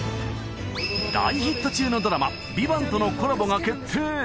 大ヒット中のドラマ「ＶＩＶＡＮＴ」とのコラボが決定！